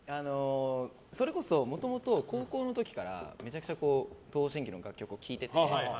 それこそもともと高校の時からめちゃくちゃ東方神起の楽曲を聴いていて。